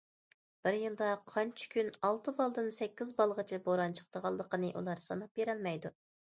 بىر يىلدا قانچە كۈن ئالتە بالدىن سەككىز بالغىچە بوران چىقىدىغانلىقىنى ئۇلار ساناپ بېرەلمەيدۇ.